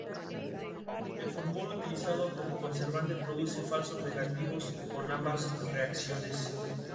El formol utilizado como conservante produce falsos negativos con ambas reacciones.